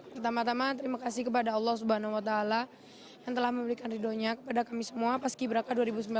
pertama tama terima kasih kepada allah swt yang telah memberikan ridhonya kepada kami semua paski beraka dua ribu sembilan belas